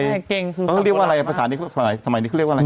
เกรงคือศัพท์โบราณมากเออเขาเรียกว่าอะไรอ่ะภาษานี้สมัยสมัยนี้เขาเรียกว่าอะไร